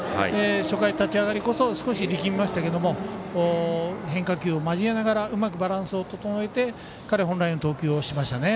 初回、立ち上がりこそ少し力みましたが変化球を交えながらうまくバランスを整えて彼本来の投球をしましたね。